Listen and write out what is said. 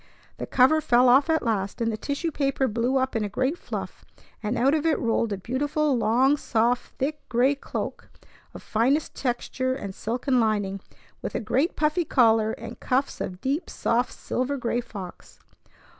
The cover fell off at last, and the tissue paper blew up in a great fluff; and out of it rolled a beautiful long, soft, thick gray cloak of finest texture and silken lining, with a great puffy collar and cuffs of deep, soft silver gray fox.